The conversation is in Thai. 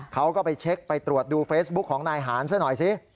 เขาก็ไปเช็คไปตรวจดูเฟซบุ๊คของนายหานซะหน่อยสิ